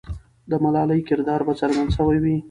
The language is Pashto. د ملالۍ کردار به څرګند سوی وي.